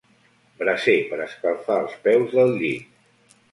Braser per escalfar els peus del llit.